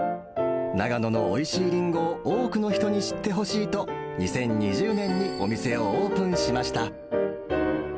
長野のおいしいリンゴを多くの人に知ってほしいと、２０２０年にお店をオープンしました。